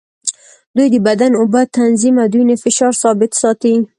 دوی د بدن اوبه تنظیم او د وینې فشار ثابت ساتي.